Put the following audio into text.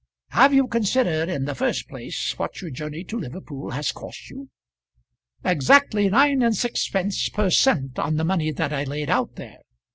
Have you considered in the first place what your journey to Liverpool has cost you?" "Exactly nine and sixpence per cent. on the money that I laid out there.